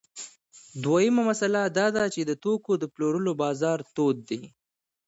دویمه مسئله دا ده چې د توکو د پلورلو بازار تود دی